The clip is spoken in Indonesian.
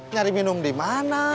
nyari minum dimana